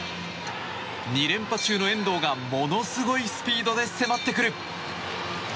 ２連覇中の遠藤が、ものすごいスピードで迫ってくる。